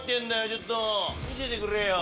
ちょっと見せてくれよ。